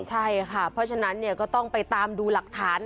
ใช่ค่ะเพราะฉะนั้นก็ต้องไปตามดูหลักฐาน